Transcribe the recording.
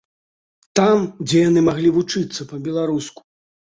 Там, дзе яны маглі вучыцца па-беларуску.